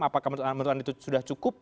apakah menurut anda itu sudah cukup